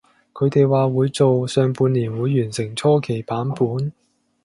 佢哋話會做，上半年會完成初期版本